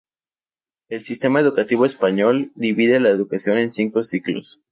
El sistema educativo español, divide la educación en cinco ciclos.